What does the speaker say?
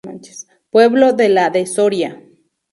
Pueblo de la de Soria.